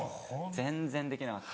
全然できなかった。